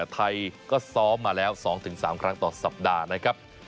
ไทยก็ซ้อมมาแล้ว๒๓ครั้งต่อสัปดาห์นะครับ